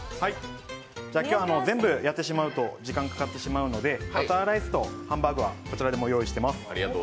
今日は全部やってしまうと時間かかってしまうのでバターライスとハンバーグはこちらで用意しています。